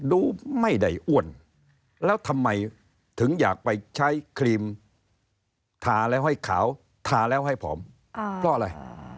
ดูไม่ได้อ้วนแล้วทำไมถึงอยากไปใช้ครีมทาแล้วให้ขาวทาแล้วให้ผอมเพราะอะไร